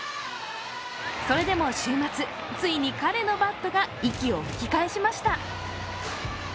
それでも週末、ついに彼のバットが息を吹き返しました。